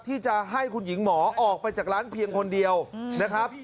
ที่จะให้คุณหญิงหมอออกไปจากร้านเพียงคนเดียวนะครับ